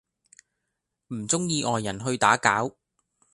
唔鍾意外人去打攪